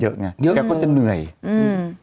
ทั้งทั้งทั้ง